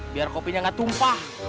biar kopinya gak tumpah